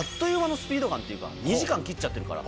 っていうか２時間切っちゃってるから。